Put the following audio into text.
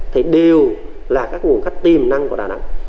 thì đều là các nguồn khách tiềm năng của đà nẵng